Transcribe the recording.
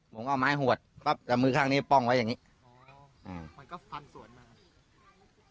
ผมก็เอาไม้หัวแต่มือข้างนี้ป้องไว้อย่างงี้อ๋อมันก็ฟันส่วนมา